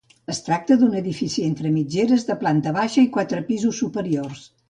Es tracta d'un edifici entre mitgeres de planta baixa i quatre pisos superiors.